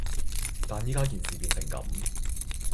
但而家件事變成噉